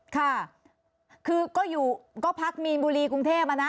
ค่ะคือก็อยู่ก็พักมีนบุรีกรุงเทพอ่ะนะ